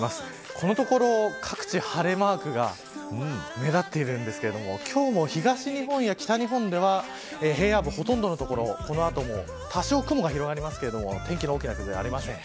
このところ、各地晴れマークが目立っているんですけれども今日も東日本や北日本では平野部、ほとんどの所この後も多少雲が広がりますけれども天気の、大きな崩れありません。